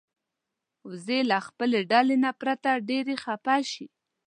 وزې له خپلې ډلې نه پرته ډېرې خپه شي